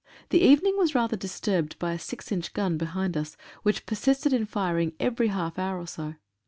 The evening was rather disturbed by a six inch gun behind us, which persisted in firing every half hour or so.